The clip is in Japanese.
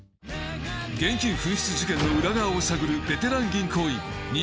現金紛失事件の裏側を探るベテラン銀行員西木雅博。